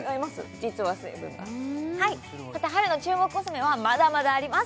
実は成分が春の注目コスメはまだまだあります